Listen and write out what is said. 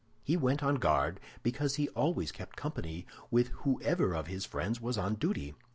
He went on guard because he always kept company with whoever of his friends was on duty.